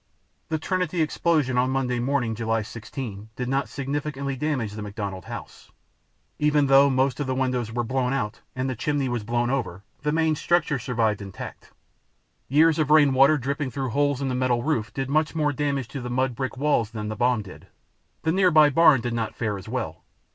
The Trinity explosion on Monday morning, July 16, did not significantly damage the McDonald house. Even though most of the windows were blown out, and the chimney was blown over, the main structure survived intact. Years of rain water dripping through holes in the metal roof did much more damage to the mud brick walls than the bomb did. The nearby barn did not fare as well.